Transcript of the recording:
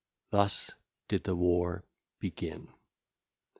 Thus did the war begin.